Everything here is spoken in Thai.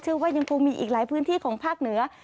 ว่ายังคงมีอีกหลายพื้นที่ของภาคเหนือ